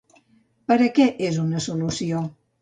Per a què és una solució?